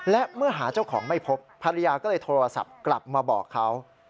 และเมื่อหาเจ้าของไม่พบภรรยาก็เลยโทรศัพท์กลับมาบอกเขา